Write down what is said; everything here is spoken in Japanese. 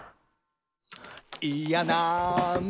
「いやなんと」